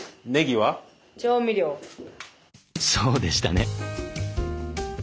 そうでしたね。